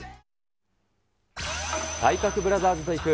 体格ブラザーズと行く！